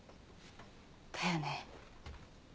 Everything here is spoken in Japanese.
だよね。